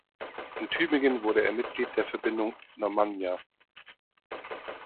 In Tübingen wurde er Mitglied der Verbindung Normannia.